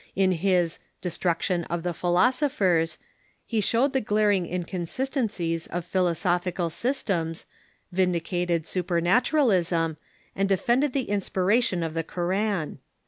In his "Destruction of the Philosophers" he showed the glaring inconsistencies of philosophical systems, vindicated supernaturalism, and defended the inspiration of the Koran.